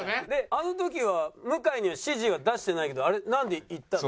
あの時は向井には指示は出してないけどあれなんで言ったの？